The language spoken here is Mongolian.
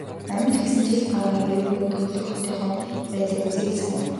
Ямар ч гэсэн жил гаран ирээгүй төрөлх хотынхоо байдлыг үзье гэж санав.